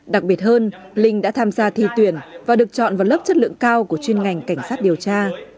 đặc biệt hơn linh đã tham gia thi tuyển và được chọn vào lớp chất lượng cao của chuyên ngành cảnh sát điều tra